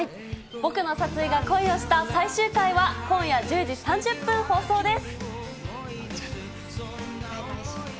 ボクの殺意が恋をした最終回は、今夜１０時３０分放送です。